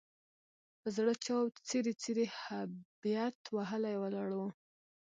په زړه چاود، څیري څیري هبیت وهلي ولاړ وو.